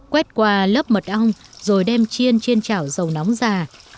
quét qua lớp mật ong rồi đem chiên trên chảo dầu nóng già